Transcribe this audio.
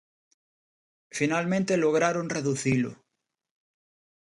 Finalmente lograron reducilo.